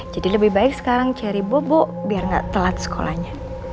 jadi lebih baik sekarang cherry bobo biar gak telat sekolahnya